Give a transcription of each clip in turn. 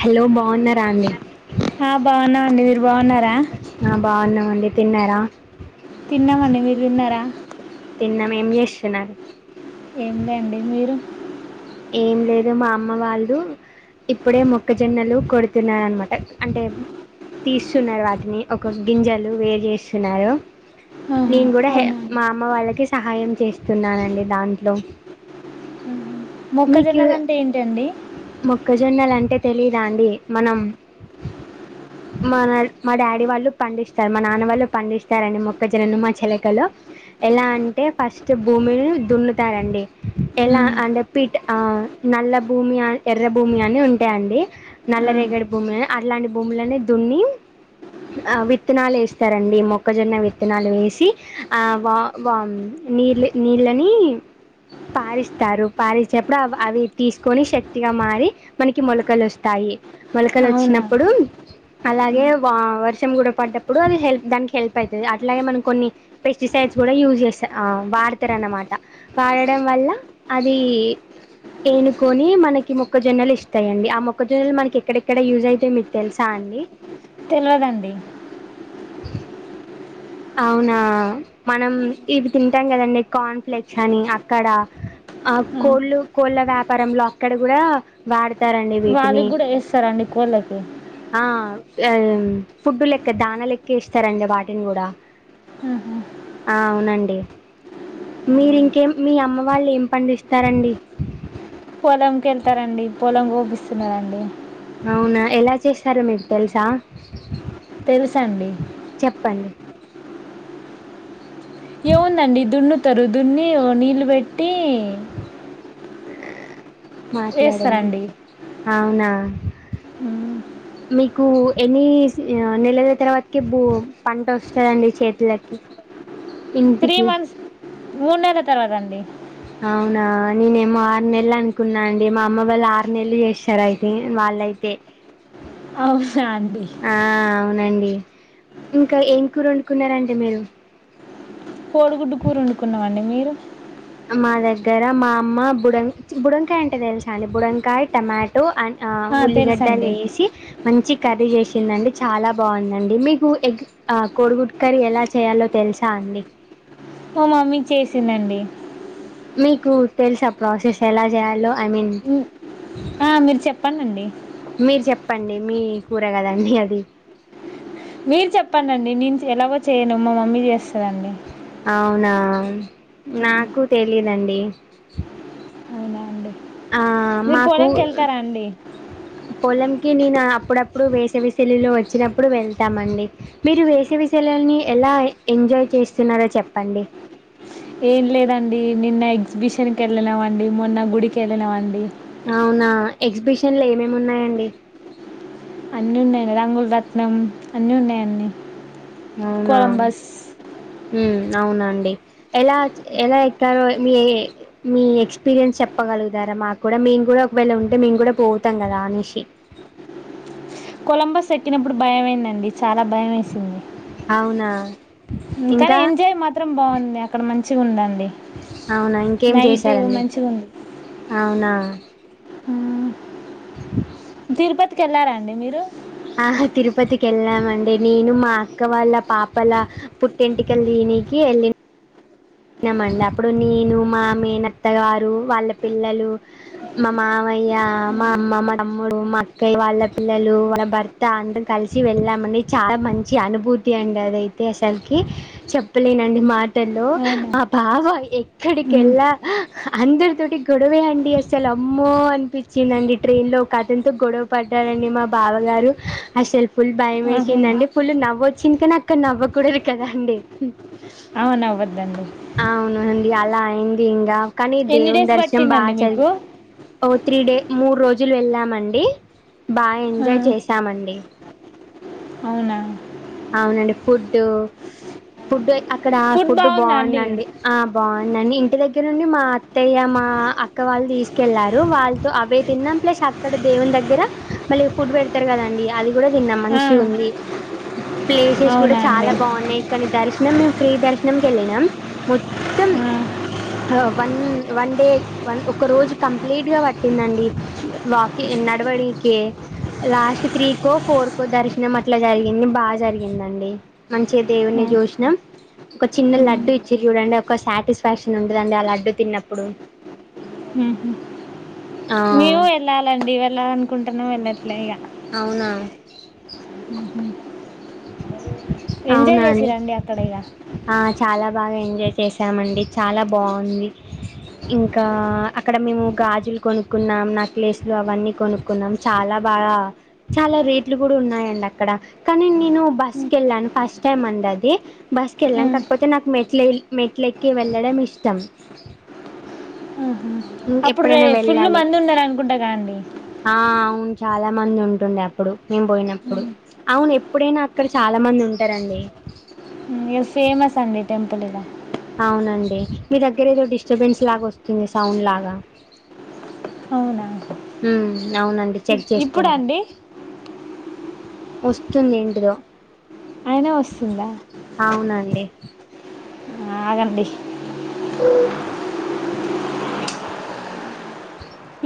Hello బాగున్నారా అండి బాగున్నార్ హా బాగున్నాం అండి తిన్నరా తిన్నామండి మీరు తిన్నారా నిన్న ఏం చేస్తున్నారు ఏమి లేండి మీరు ఏం లేదు మా అమ్మ వాళ్ళు ఇప్పుడే మొక్కజొన్నలు కొడుతున్నారు అనమాట అంటే తీస్తున్నారు వాటిని ఒక గింజలు వేరు చేేస్తున్నారు ఆహా, నేను కూడా అవునా మా అమ్మ వాళ్ళకి సహాయం చేస్తున్నానండి దాంట్లో ఆహా. మీకీ మొక్కజొన్నలు అంటే ఏంటండి మొక్కజొన్నలు అంటే తెలీదా అండి మనం మన మా డాడీ వాళ్ళు తెలియద అండి మనం మా నాన్న వాళ్ళు మా డాడీ వాళ్ళు పండిస్తారండి మొక్కజనను మా చిలకలు ఎలా అంటే ఫస్ట్ భూమిని దున్నుతారండి ఎలా ఉమ్, అంటే పిట్ ఆ నల్ల భూమి ఎర్ర భూమి అని ఉంటాయంండి ఆ, నల్ల రేగడ భూమిని అట్లాంటి అన్నీ దున్ని విత్తనాలు వేస్తారంండి మొక్కజొన్న విత్తనాలు వేసి వా నీళ్ళు నీళ్ళని పరుస్తారు పారసేప్పుడు అవి అవి తీసుకొని శక్తిగా మారి మనకి మొలకలు వస్తాయి మొలకలు అవునా వచ్చినప్పుడు అలాగే వర్షం కూడా పడ్డప్పుడు అది హెల్ప్ దానికి హెల్ప్ అవుతుంది అట్లాగే మనం కొన్ని పెస్టిసైడ్స్ కూడా యూజ్ చేస్తా వాడతారునమాట వాడడం వల్ల అది ఏనుకొని మనకి మొక్కజొన్నలు ఇస్తాయండి ఆ మొక్కజొన్నలు మనకి ఎక్కడెక్కడ యూస్ అయితయో మీకు తెలుసా అండి తెల్వదండి అవునా మనం ఇవి తింటాం కదండడి కార్న్ఫ్లెక్స్ అని అక్కడ ఆ కోళ్ళు కోళ్ళ వ్యాపారంలో అక్కడ కూడా వాడ వాళ్ళకి కూడా వేస్తారండి కోళ్ళకి ఆ ఫుడ్డు లెక్క దానా లెక్క ఇస్తారండి వాటిని కూడా ఆహా. ఆ అవునండి మీరి ఇంకేం మీ అమ్మ వాళ్ళు ఏం పండిస్తారండి పొలంకి వెళ్తారండి పొలం కోపిస్తున్నారంండి అవునా ఎలా చేస్తారు మీకు తెలుసా తెలుస అండి చెప్పండి ఏవుందండి దున్నత్ తరుదున్ని ఓణీలు పెట్టి ఆ మాట్లాడండి వేస్తారండి అవునా మీకు ఎన్ని నెలల తర్వాతకి భూ పంట వస్తారంండి చేతులకి త్రీ ఇంటికి మంత్స్ మూడు [inaudible] అవునా నేనేమో ఆరు నెలలు అనుకున్నా అండి మా అమ్మ వాళ్ళు ఆరు నెలలు చేస్తారు అయితే వాళ్ళయితే అవునా అండి అవునండి ఇంకా ఏం కూర వండుకున్నార అండి మీరు కోడుగుడ్డు కూరు వండుకున్నా అండి మీరు మా దగ్గర మా అమ్మ బుడ బుడకాయ అంటే తెలిసండి బుడకాయ టమాటో అండ్ ఆ ఉల్లిగడ్డలు వేేసి మంచి కర్రీ చేసిందండి చాలా బాగుందండి మీకు ఎగ్ కోడిగుట్ కర్రీ ఎలా చేయాలో తెలుసా అండి ఓ మమ్మీ చేసిందండి మీకు తెలుసా ఆ ప్రాసెస్ ఎలా చేయాలో ఐ మీన్ ఉమ్, ఆ మీరు చెప్పంండండి మీరు చెప్పండి మీ కూర కదండి అది మీరు చెప్పండండి నేను ఎలాగో చేయను మా మమ్మీ చేస్తందండి అవునా నాకు తెలిదండి అవునా అండి మీరు పొలంకి వెళ్తారా అండి పొలంకి నేను అప్పుడప్పుడు వేసవిసెలులో వచ్చినప్పుడు వెళ్తామండి మీరు వేసవి సెలవల్ని ఎలా ఎంజాయ్ చేస్తున్నారో చెప్పండి ఏం లేదండి నిన్న ఎగ్జిబిషన్కి వెళ్ళినాండి మొన్న గుడికి వెళ్ళినామండి అవునా ఎగ్జిబిషన్లు ఏమేమి ఉన్నాయండి అన్నిీ ఉన్నాయి రంగుల రత్నం అన్నీ ఉన్నాయి అండి అవునా కొలంబస్ అవునండి ఎలా ఎలా ఎక్క మీ మీ ఎక్స్పీరియన్స్ చెప్పగలుగుతారా మాకు కూడా మేము కూడా ఒకవేళ ఉంటే మేము కూడా పోతాం కదా అనిషి కొలంబస్ ఎక్కినప్పుడు భయమైందండి చాలా భయం వేసింది అవునా కానీ ఇంకా ఎంజాయ్ మాత్రం బాగుంది అక్కడ మంచిగా ఉందండి అవునా ఇంకేం నైట్ చేశారండి మంచిగా ఉంది అవునా తిరుపతికి వెళ్ళారండి మీరు ఆ తిరుపతికి వెళ్ళామండి నేను మా అక్క వాళ్ళ పాపల పుట్టింటికలు దీనికి వెళ్ళిన న మండి అప్పుడు నేను మా మేనత్తగారు వాళ్ళ పిల్లలు మా మామయ్య మా అమ్మ మా తమ్ముడు మా అక్కయ్య వాళ్ళ పిల్లలు వాళ్ళ భర్త అందరం కలిసి వెళ్ళామండి చాలా మంచి అనుభూతి అండి అదైతే అసలుకి చెప్పలేనండి మాటల్లో అవునా ఆ బావ మ్మ్. ఎక్కడికెళ్ళ అందరితోటి గొడవే అండి అసలు అమ్మో అనిపించిందండి ట్రైన్ లో ఒక అతంతో గొడవ పడ్డారుడి మా బావ గారు అసలు ఫుల్ భయం ఆహా. వేసిందండి ఫుల్లు నవ్వచ్చు చింత నకాన నవ్వకూడదు కదా అండి అవునవుద్ అవును చాలా అయింది ఇంకా కానీ ఎన్ని దేవుని డేస్ దర్శనం పట్టిందండి బాగా చది మీకు త్రీ డేస్ మూడు రోజులు వెళ్ళామండి బాగా ఆ, ఎంజాయ్ చేశామండి అవునా అవునండి ఫుడ్ ఫుడ్ అక్కడ ఫుడ్ బాగుందా అండి బాగుందండి ఆ బాగుంది ని ఇంటి దగ్గర నుండి మా అత్తయ్య మా అక్క వాళ్ళు తీసుకెళ్ళారు వాళ్ళతో అవే తిన్నాం ప్లస్ అక్కడ దేవుని దగ్గర మళ్ళీ ఫుడ్ పెడతారు కదండి అది కూడా తిన్నాం ఆ, మంచి ఉంది ప్లేసెస్ కూడా అవునా అండి చాలా బాగున్నాయి కానీ దర్శనం మేము ఫ్రీ దర్శం ం క వెళ్ళినా మొత్తం ఆ, ఆ. వన్ వన్ డే ఒక రోజు కంప్లీట్ గా పట్టిందండి వాకింగ్ నడవడిక లాస్ట్ త్రీ కో ఫోర్ కో దర్శనం అట్లా జరిగింది బాగా జరిగిందండి మంచిగా దేవుని మ్మ్. చూసినాం ఒక చిన్న లడ్డు మ్మ్. ఇచ్చి చూడండి ఒక సాటిస్ఫాక్షన్ ఉండదండి ఆ లడ్డు తిన్నప్పుడు మ్మ్. ఆ మేము వెళ్ళాలిండి వెళ్ళాలనుకుంటున్నాం వెళ్ళరు ప్లయగా అవునా ఎంజాయ్ అవునా చేసి అండి రండి అక్కడ ఇక ఆ చాలా బాగా ఎంజాయ్ చేసామండి చాలా బాగుంది చాలా బాగా ఎంజోయ్ చేశామండి చాలా బావుంది ఇంకా అక్కడ మేము గాజులు కొనుక్కున్నాం నక్లెస్లు అవన్నీ కొనుక్కున్నాం చాలా బాగా చాలా రేట్లు కూడా ఉన్నాయండి అక్కడ కానీ నేను బస్ వెళ్ళాను ఫస్ట్ టైమ్ అంది బస్ కి వెళ్ళాను మ్మ్. కాకపోతే నాకు మెట్ల మెట్లకి వెళ్ళడం ఇష్టం ఆహా. అప్పుడు రే ఎప్పుడైనా ఫుల్ వెళ్ళాలి మంది ఉన్నారనుకుంటా కదండి ఆ అవును చాలా మంది ఉంటుండే అప్పుడు మేము పోయినప్పుడు అవునెప్ ఇప్పుడేనా అక్కడ చాలా మంది ఉంటారండి ఇ ఏ ఫేమస్ అండి ఈ టెంపుల్ ఇగ అవునండి మీ దగ్గర ఏదో డిస్టర్బెన్స్ లాగా వస్తుంది సౌండ్ లాగా అవునా హ్మ్ అవునండి చెక్ ఇప్పుడండి వస్తుందింటిలో అయిన వస్తుందా ఆగండి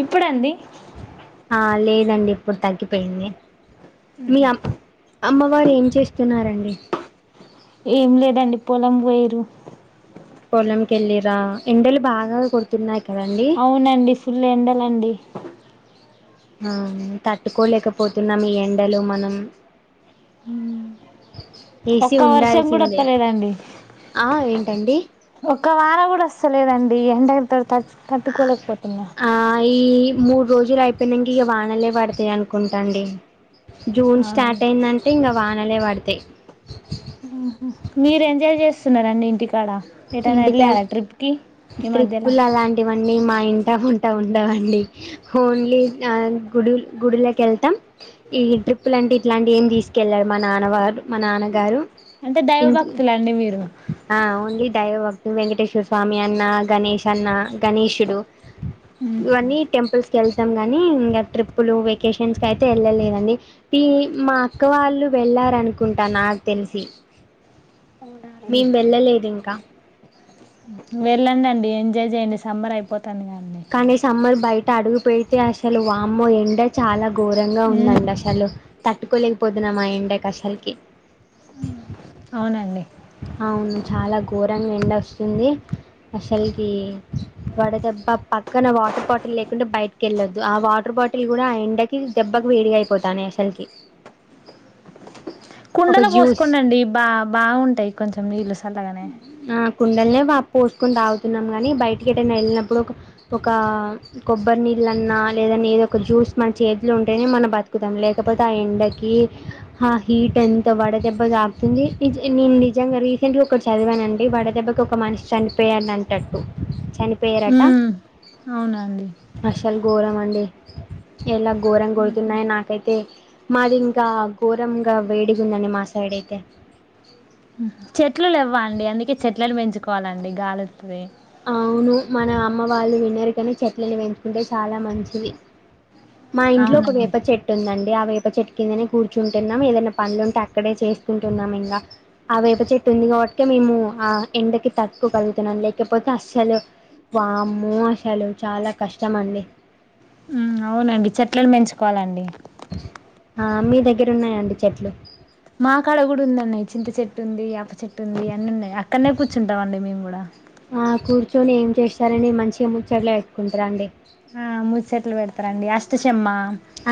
ఇప్పుడండి ఆ లేదండి ఇప్పుడు తగ్గిపోయింది మీ అమ్ అమ్మవారు ఏం చేస్తున్నారండి ఏం లేదండి పొలం పొయ్యిర్రు పోలం కి ఎల్లిర్రా ఎండలు బాగా కొడుతున్నాయి కదండి అవునండి ఫుల్ ఎండలండి అవును తట్టుకోలేకపోతున్నాం ఈ ఎండలు మనం ఏసీ ఒక్క వర్షం కూడా ఉండాల్సిందే వత్తలేదండి ఆ ఏంటండి ఒక వారం కూడా వస్తలేదండి ఎండ [unintelligible] ఆ ఈ మూడు రోజులు అయిపోయినాంక ఇగ వానలే పడతాయి అనుకుంటా అండి, జూన్ స్టార్ట్ అవునండి అయిందంటే ఇంగ వానలే వడతయ్. మీరు ఎంజాయ్ చేస్తున్నారండి ఇంటికాడ ఏటైనా ఇంటికా వెళ్ళాలా ట్రిప్కి ఈ మధ్యలా వన్నీ మా ఇంట ఉంటా ఉండవండి ఓన్లీ ఆ గుడు గుడుల కెళ్తాం, ఈ ట్రిప్ లాంటే ఇట్లాంటి ఏం తీసుకెళ్ళరు మా నాన్న వారు మా నాన్నగారు. అంటే ఇం దైవభక్తుల అండి మీరు దైవభక్తు వెంకటేశ్వర స్వామి అన్న, గణేష్ అన్న, గణేషుడు ఇవన్నీ టెంపుల్స్ కెళ్తాం కానీ ఇంగ ట్రిప్పులు వెకేషన్స్ కి అయితే వెళ్ళలేదండి. మా అక్క వాళ్ళు వెళ్ళారనుకుంటా నాకు తెలిసి అవునండి. మేము వెళ్ళలేదు ఇంకా, వెళ్ళండండి ఎంజాయ్ చేయండి సమ్మర్ అయిపో కానీ సమ్మర్ బై ట అడుగు పెడితే అసలు వామ్మో ఎండ చాలా ఘోరంగా ఉమ్, ఉందండి అసలు తట్టుకోలేకపోతునం ఆ ఎండ కి అసలకి అవునండి అవును చాలా ఘోరంగా ఎండ వస్తుంది. అసలకి వడదెబ్బ పక్కన వాటర్ బాటిల్ లేకుండా బయటకి వెళ్ళొద్దు, ఆ వాటర్ బాటిల్ కూడా ఆ ఎండకి దెబ్బకి వేడిగా అయిపోతాన్నాయి అసలుకి. ఒక కుండలో జ్యూస్ పోసుకోండండి బా బాగుం టయ్ కొంచెం నీళ్ళు సల్లగానే ఆ కుండలనే పోసుకొని తాగుతున్నాం, కానీ బయటికి ఎటైనా వెళ్ళినప్పుడు ఒక్ ఒక కొబ్బరి నీళ్ళన్నా లేదన్నా ఏదో ఒక జ్యూస్ మన చేతిలో ఉంటేనే మనం బతుకుతాం, లేకపోతే ఆ ఎండకి ఆ హీట్ ఎంత వాడ దెబ్బ తాకుతుంది. నేను నిజంగా రీసెంట్ గా ఒకటి చదివానండి వడదెబ్బకి ఒక మనిషి చనిపోయానన్ టట్టు చనిపోయారట. మ్మ్. అవునండి చాలా ఘోరం అండి ఎలా ఘోరం కొడుతున్నాయో నాకైతే మాది ఇంకా ఘోరంగా వేడి ఉందండి మా సైడ్ అయితే చెట్లు లెవ్వ్వ అండి ఇంకా చెట్లను పెంచుకోవాలండి గాలి వస్తాది అవును మన అమ్మ వాళ్ళు విన్నారు కానీ చెట్లలు పెంచుకుంటే చాలా మంచిది మా ఇంట్లో ఒక అవునండి వేప చెట్టు ఉందం ఆహ్ వేప చెట్టు కిందనే కూర్చుంటున్నాం ఏదనా పనులు ఉంటే అక్కడే చేసుకుంటున్నాం ఇంకా ఆహ్ వేప చెట్టు ఉంది కాబట్కే మేము ఆ ఎండకి తట్టుకోగలుతున్నాం లే లేకపోతే అస్సలు వామ్మో అసలు చాలా కష్టం అండి మ్మ్, అవునండి చెట్లను పెంచుకోవాలండి ఆహ్ మీ దగ్గర ఉన్నాయంండి చెట్లు మా కాడ కూడా ఉందన్నాయి చింత చెట్టు ఉంది యప చెట్టు ఉంది అన్న ఉన్నాయి అక్కడనే కూర్చుంటాం అండి మేము కూడా ఆ కూర్చొని ఏం చేస్తారని మంచిగా ముచ్చట్లేపెట్టుకుంటారా అండి ముచ్చెట్లు పెడతారండి ఆహ్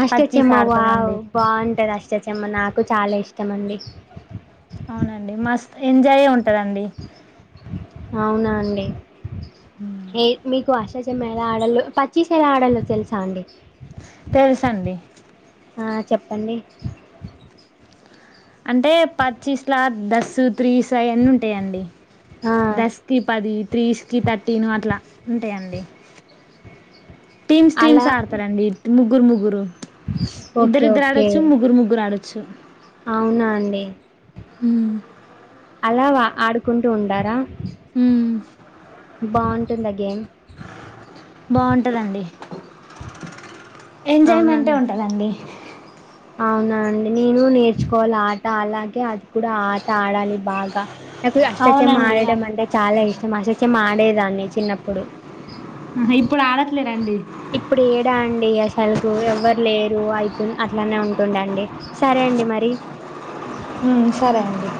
అష్ట చెమ్మా వావ్ బావుంటది అష్ట చెమ్మ నాకు కు చాలా ఇష్టం అండి [inaudible] కదండీ అవునా అండి ఏ మీ అష్ట చెమ్మా ఎలా ఆడల్లో పచ్చిసేలా ఆడలో తెలుసా అండి తెలుస అండి ఆహ్ చెప్పండి దసుత్ త్రీసుయాన్నీ ఉంటాయండి ఆ దస్కి పది త్రీస్కి థర్టీను అట్లా ఉంటాయండి టీమ్స్ అలా టీమ్స్ ఆడతారండి ము ముగ్గురు ముగ్గురు ఇద్దరు ఓకే ఇద్దరు ఓకే ఆడొచ్చు ముగ్గురు ముగ్గురు ఆడొ [inaudible] అవునా అండి హమ్ అలావా ఆడుకుంటూ ఉండారా హమ్ [inaudible] గేమ్ బావుంటదండి ఎంజాయ్మెంటే ఉంటదండి అవునాండి నేను నేర్చుకోవాలి ఆట అలాగే అది కూడా ఆట ఆడాలి బాగా నాకు అష్టా చమ్మా అవునండి ఆడడం అంటే చాలా ఇష్టం అ చెమ్మాడేదాన్ని చిన్నప్పుడు ఇప్పుడు ఆడట్లేరండి ఇప్పుడు ఏడా అండి అసలుకు ఎవ్వరు లేరు అయితు అట్లానే ఉంటుండేండి సరే అండి మరి ఊమ్ సరే అండి